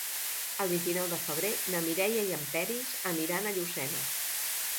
El vint-i-nou de febrer na Mireia i en Peris aniran a Llucena.